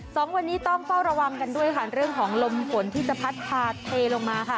สองวันนี้ต้องเฝ้าระวังกันด้วยค่ะเรื่องของลมฝนที่จะพัดพาเทลงมาค่ะ